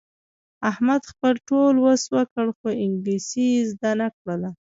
احمد خپل ټول وس وکړ، خو انګلیسي یې زده نه کړله.